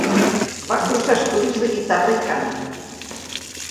Va cursar estudis de guitarra i cant.